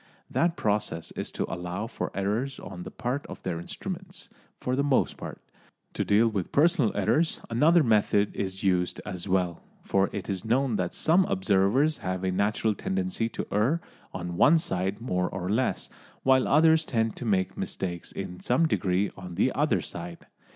That process is to allow for errors on the part of their instruments, for the most part. To deal with personal errors another method is used as well, for it is known that some observers have a natural tendency to err on one side more or less, while others tend to make mistakes in some degree on the other side.